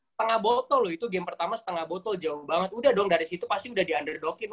setengah botol loh itu game pertama setengah botol jauh banget udah dong dari situ pasti udah di underdockin